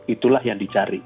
itulah yang dicari